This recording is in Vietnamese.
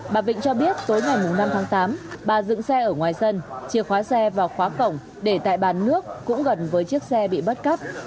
bà vịnh cho biết tối ngày năm tháng tám bà dựng xe ở ngoài sân chìa khóa xe vào khóa cổng để tại bàn nước cũng gần với chiếc xe bị bắt cắp